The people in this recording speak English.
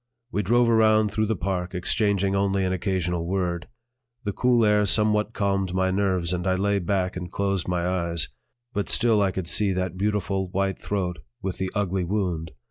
We drove around through the park, exchanging only an occasional word. The cool air somewhat calmed my nerves and I lay back and closed my eyes; but still I could see that beautiful white throat with the ugly wound.